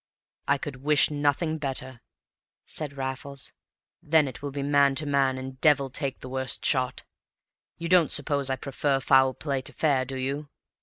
"I could wish nothing better," said Raffles. "Then it will be man to man, and devil take the worst shot. You don't suppose I prefer foul play to fair, do you?